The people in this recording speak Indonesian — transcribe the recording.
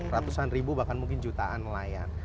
ratusan ribu bahkan mungkin jutaan nelayan